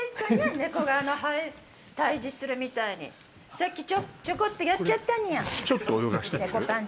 さっきちょこっとやっちゃったにゃ。